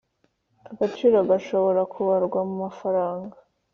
agaciro gashobora kubarwa mu mafaranga